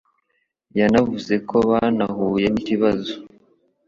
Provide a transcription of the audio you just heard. yanavuze ko banahuye n'ikibazo